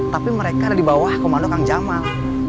tapi mereka ada di bawah komando kang jamal